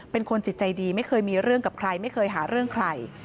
เป็นคนจิตใจดีไม่เคยมีเรื่องกับใครไม่เคยหาเรื่องใคร